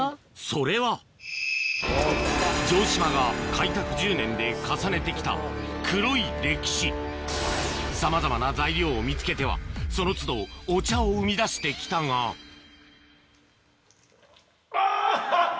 それは城島が開拓１０年で重ねて来たさまざまな材料を見つけてはその都度お茶を生み出して来たがあぁ！